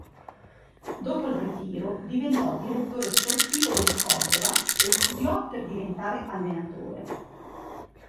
Dopo il ritiro diventò direttore sportivo del Córdoba e studiò per diventare allenatore.